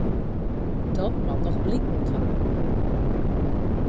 Dat moat noch bliken dwaan.